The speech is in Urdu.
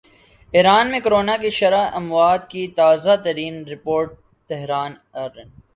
ایران میں کرونا کی شرح اموات کی تازہ ترین رپورٹ تہران ارن